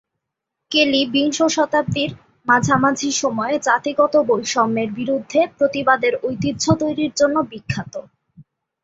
কেলি বিংশ শতাব্দীর মাঝামাঝি সময়ে জাতিগত বৈষম্যের বিরুদ্ধে প্রতিবাদের ঐতিহ্য তৈরির জন্য বিখ্যাত।